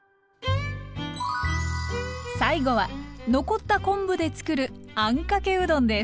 最後は残った昆布でつくるあんかけうどんです。